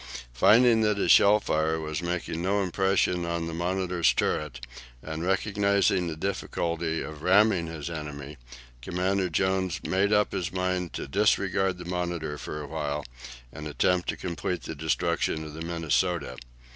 Finding that his shell fire was making no impression on the "Monitor's" turret, and recognizing the difficulty of ramming his enemy, Commander Jones made up his mind to disregard the "Monitor" for a while, and attempt to complete the destruction of the "Minnesota."